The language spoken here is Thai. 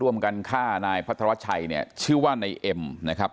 ร่วมกันฆ่านายพัทรชัยเนี่ยชื่อว่านายเอ็มนะครับ